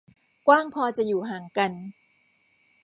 กว้างพอจะอยู่ห่างกัน